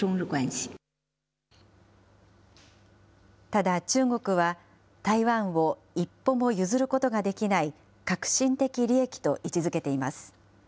ただ、中国は台湾を一歩も譲ることができない核心的利益と位置づけています。